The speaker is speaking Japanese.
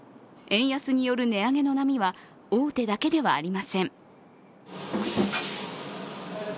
円安による値上げの波は、大手だけではありません。